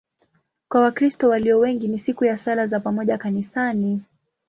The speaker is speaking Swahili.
Kwa Wakristo walio wengi ni siku ya sala za pamoja kanisani.